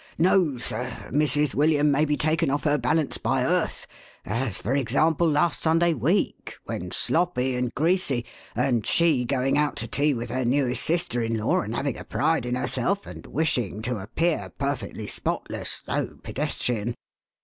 " No, sir. Mrs. William may be taken off her balance by Earth ; as, for example, last Sunday week, when sloppy and greasy, and she going out to tea with her newest sister in law, and having a pride in herself, and wishing to appear perfectly spotless though pedestrian.